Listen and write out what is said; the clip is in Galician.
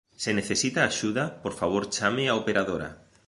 Se necesita axuda, por favor chame á operadora.